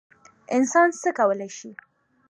انسان څه کولی شي؟